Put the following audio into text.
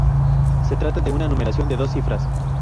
Se trata de una numeración de dos cifras.